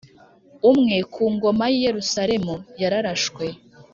umwe ku ngoma i Yerusalemu yararashwe